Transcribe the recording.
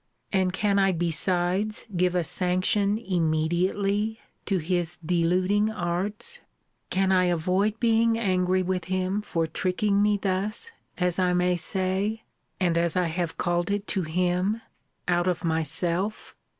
And can I besides give a sanction immediately to his deluding arts? Can I avoid being angry with him for tricking me thus, as I may say, (and as I have called it to him,) out of myself?